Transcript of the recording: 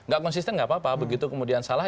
gak konsisten nggak apa apa begitu kemudian salah